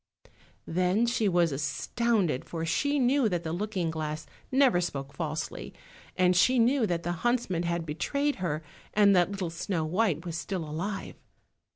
Then she was astounded, for she knew that the looking glass never spoke falsely, and she knew that the huntsman had betrayed her, and that little Snow white was still alive.